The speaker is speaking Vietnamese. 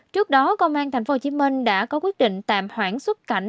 trước đó công an tp hcm đã có quyết định tạm hoãn xuất cảnh